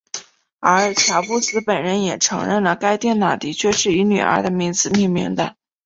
而乔布斯本人也承认了该电脑的确是以女儿的名字命名的。